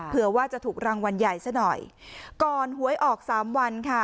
เพื่อว่าจะถูกรางวัลใหญ่ซะหน่อยก่อนหวยออกสามวันค่ะ